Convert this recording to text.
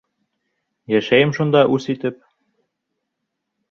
Йәшәйем шунда үс итеп.